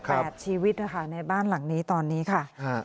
แปดชีวิตนะคะในบ้านหลังนี้ตอนนี้ค่ะฮะ